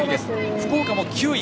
福岡も９位。